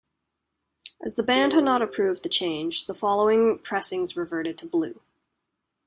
As the band had not approved the change, the following pressings reverted to blue.